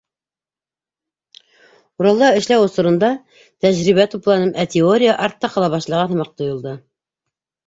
Уралда эшләү осоронда тәжрибә тупланым, ә теория артта ҡала башлаған һымаҡ тойолдо.